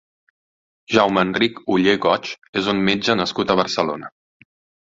Jaume Enric Ollé-Goig és un metge nascut a Barcelona.